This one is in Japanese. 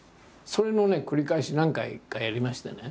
それの繰り返し何回かやりましてね。